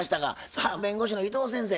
さあ弁護士の伊藤先生